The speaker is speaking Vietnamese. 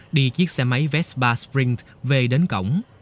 đi chiếc xe máy vespa sprint về đến cổng